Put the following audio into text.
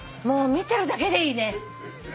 もう見てるだけでいいね。